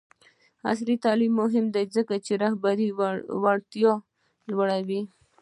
عصري تعلیم مهم دی ځکه چې د رهبرۍ وړتیا لوړوي.